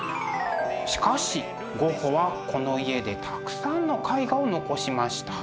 しかしゴッホはこの家でたくさんの絵画を残しました。